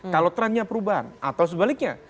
kalau trendnya perubahan atau sebaliknya